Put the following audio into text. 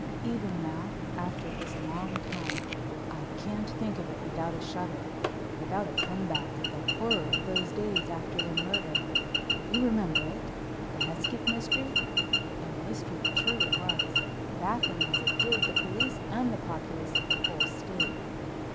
Even now, after this long time, I can't think of it without a shudder, without a comeback of the horror of those days after the murder. You remember it—the Hesketh mystery? And mystery it surely was, baffling, as it did, the police and the populace of the whole state.